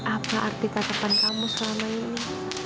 apa arti katapan kamu selama ini